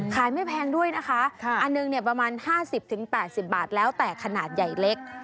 ไม่แพงด้วยนะคะอันหนึ่งประมาณ๕๐๘๐บาทแล้วแต่ขนาดใหญ่เล็ก